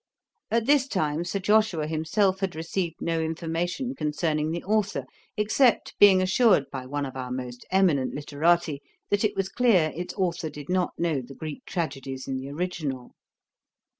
At this time Sir Joshua himself had received no information concerning the authour, except being assured by one of our most eminent literati, that it was clear its authour did not know the Greek tragedies in the original.